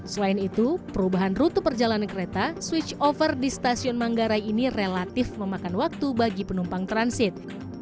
selain itu perubahan rute perjalanan kereta switch over di stasiun manggarai ini relatif memakan waktu bagi penumpang transit